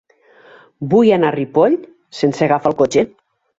Vull anar a Ripoll sense agafar el cotxe.